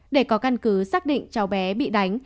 để có căn cứ xác định cháu bé bị đánh